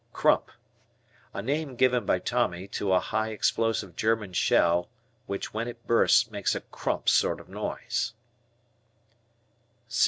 "Crump." A name given by Tommy to a high explosive German shell which when it bursts makes a "Crump" sort of noise.